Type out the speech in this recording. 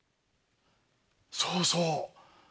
そうそう！